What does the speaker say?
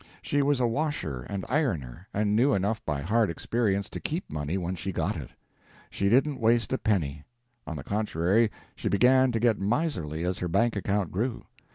She was a washer and ironer, and knew enough by hard experience to keep money when she got it. She didn't waste a penny. On the contrary, she began to get miserly as her bank account grew.